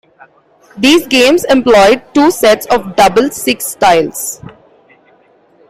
These games employed two sets of "double-six" tiles.